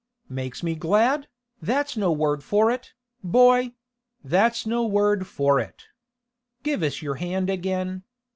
'Makes me glad? That's no word for it, boy; that's no word for it! Give us your hand again.